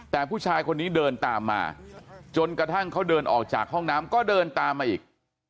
แต่ผู้ชายคนนี้เดินตามมาจนกระทั่งเขาเดินออกจากห้องน้ำก็เดินตามมาอีก